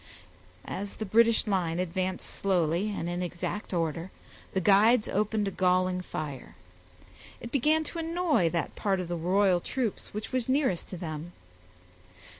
As the British line advanced slowly and in exact order, the guides opened a galling fire. It began to annoy that part of the royal troops which was nearest to them.